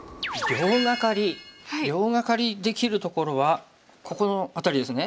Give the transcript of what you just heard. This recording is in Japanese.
両ガカリできるところはここの辺りですね。